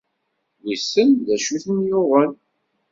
Wissen d acu i ten-yuɣen?